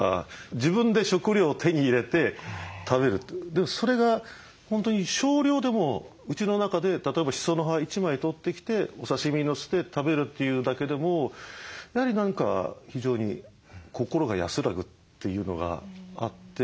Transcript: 自分で食料を手に入れて食べるってそれが本当に少量でもうちの中で例えばシソの葉１枚取ってきてお刺身にのせて食べるというだけでもやはり何か非常に心が安らぐというのがあって。